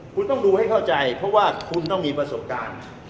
คุณต้องดูให้เข้าใจเพราะว่าคุณต้องมีประสบการณ์